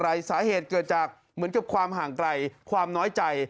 เกิดจากอะไรสาเหตุเกิดจากเหมือนความห่างไกลความน้อยใจ